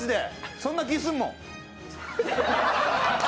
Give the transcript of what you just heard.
そんな気すんもん！